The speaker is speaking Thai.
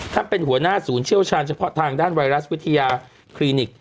เป็นหัวหน้าศูนย์เชี่ยวชาญเฉพาะทางด้านไวรัสวิทยาคลินิก